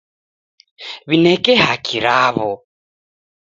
W'ineke haki raw'o.